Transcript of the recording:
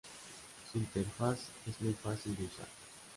Su interfaz es muy fácil de usar.